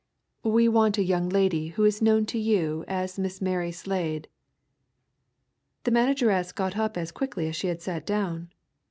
We want a young lady who is known to you as Miss Mary Slade." The manageress got up as quickly as she had sat down.